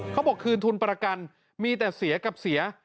คืนทุนประกันมีแต่เสียกับเสีย